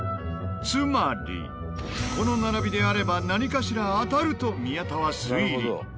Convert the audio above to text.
つまりこの並びであれば何かしら当たると宮田は推理。